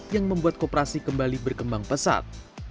yang membuat kooperasi kembali berkembang pesat